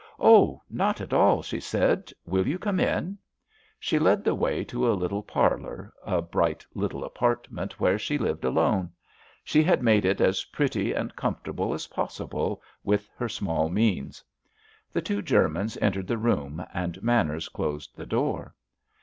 "Oh, not at all," she said. "Will you come in?" She led the way to a little parlour, a bright little apartment, where she lived alone. She had made it as pretty and comfortable as possible with her small means. The two Germans entered the room, and Manners closed the door.